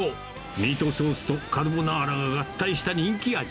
ミートソースとカルボナーラが合体した人気味。